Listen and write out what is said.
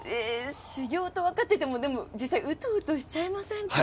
修行と分かっていても実際うとうとしちゃいませんか？